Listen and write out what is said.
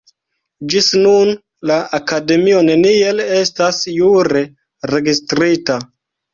Ĝis nun la Akademio neniel estas jure registrita.